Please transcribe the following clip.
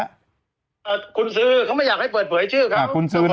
เอ่อคุณซื้อเขาไม่อยากให้เปิดเผยชื่อค่ะคุณซื้อนะ